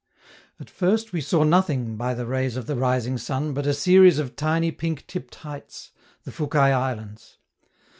At first we saw nothing by the rays of the rising sun but a series of tiny pink tipped heights (the Fukai Islands).